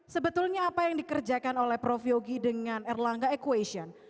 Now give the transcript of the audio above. sebetulnya apa yang dikerjakan oleh prof yogi dengan erlangga equation